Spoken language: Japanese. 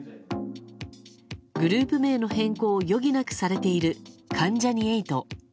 グループ名の変更を余儀なくされている関ジャニ∞。